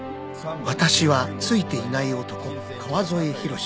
［私はついていない男川添博司］